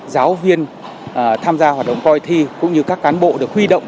giáo viên tham gia hoạt động coi thi cũng như các cán bộ được huy động